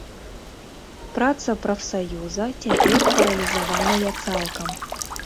Праца прафсаюза цяпер паралізаваная цалкам.